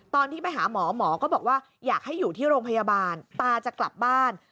ตอนที่ไปหาหมอหมอก็บอกว่าอยากให้อยู่ที่โรงพยาบาลตาจะกลับบ้าน